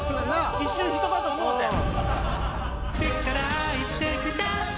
一瞬人かと思うてん。